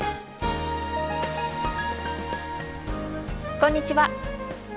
こんにちは